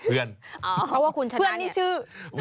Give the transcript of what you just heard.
เพื่อนเพื่อนนี่ชื่อ